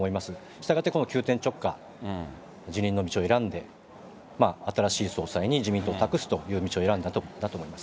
したがってこの急転直下、辞任の道を選んで、新しい総裁に自民党を託すという道を選んだんだと思います。